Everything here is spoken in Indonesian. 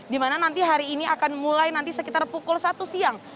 di mana nanti hari ini akan mulai nanti sekitar pukul satu siang